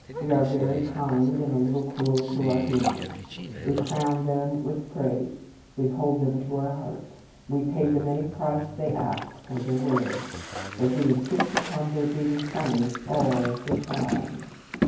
We are very kind and a little cruel to our humourists. We crown them with praise, we hold them to our hearts, we pay them any price they ask for their wares; but we insist upon their being funny all the time.